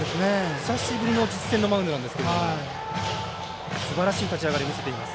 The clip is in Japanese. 久しぶりの実戦のマウンドなんですけどすばらしい立ち上がりを見せています。